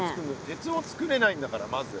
鉄をつくれないんだからまず。